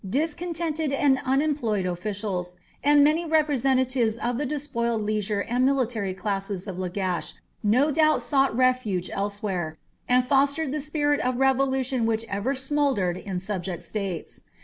Discontented and unemployed officials, and many representatives of the despoiled leisured and military classes of Lagash, no doubt sought refuge elsewhere, and fostered the spirit of revolt which ever smouldered in subject states.